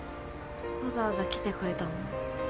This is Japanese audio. わざわざ来てくれたの？